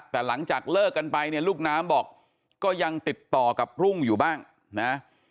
แต่หลังจากเลิกกันไปเนี่ยลูกน้ำบอกก็ยังติดต่อกับรุ่งอยู่บ้างนะ